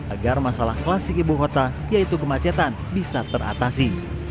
agar masalah klasik ibu kota yaitu kemacetan bisa teratasi